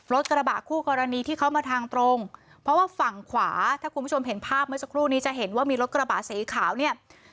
รถกระบะคู่กรณีที่เขามาทางตรงเพราะว่าฝั่งขวาถ้าคุณผู้ชมเห็นภาพเมื่อสักครู่นี้จะเห็นว่ามีรถกระบะสีขาวเนี่ย